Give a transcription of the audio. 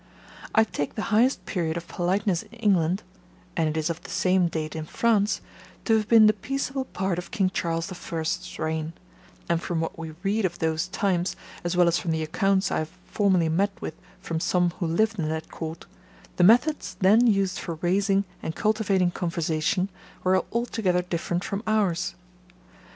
I take the highest period of politeness in England (and it is of the same date in France) to have been the peaceable part of King Charles the First's reign; and from what we read of those times, as well as from the accounts I have formerly met with from some who lived in that court, the methods then used for raising and cultivating conversation, were altogether different from ours.